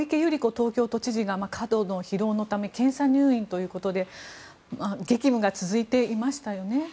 東京都知事が過度の疲労のため検査入院ということで激務が続いていましたよね。